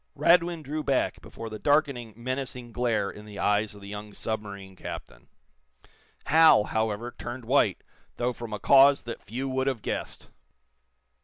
Radwin drew back before the darkening, menacing glare in the eyes of the young submarine captain. Hal, however, turned white though from a cause that few would have guessed.